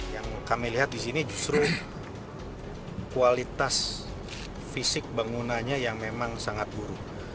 yang kami lihat di sini justru kualitas fisik bangunannya yang memang sangat buruk